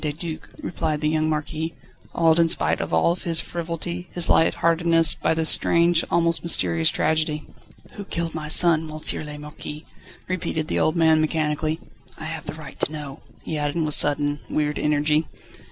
de Duc," replied the young Marquis, awed in spite of all his frivolity, his light heartedness, by this strange, almost mysterious tragedy. "Who killed my son, M. le Marquis?" repeated the old man mechanically. "I have the right to know," he added with sudden, weird energy.